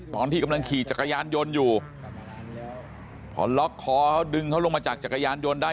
ตอนที่กำลังขี่จักรยานยนต์อยู่พอล็อกคอเขาดึงเขาลงมาจากจักรยานยนต์ได้